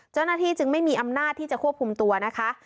เจ้าหน้าที่จึงไม่มีอำนาจที่จะควบคุมตัวนะคะ